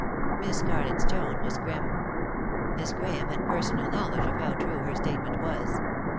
Miss Scarlett's tone was grim. Miss Grahame had personal knowledge of how true her statement was.